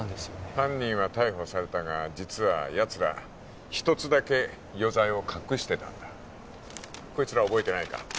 犯人は逮捕されたが実はやつら一つだけ余罪を隠してたんだこいつら覚えてないか？